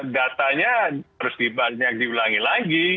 datanya harus diulangi lagi